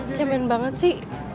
cemen banget sih